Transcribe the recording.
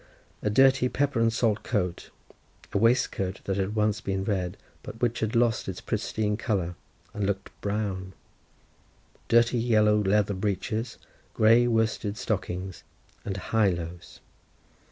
A dirty pepper and salt coat, a waistcoat which had once been red, but which had lost its pristine colour, and looked brown; dirty yellow leather breeches, grey worsted stockings, and high lows.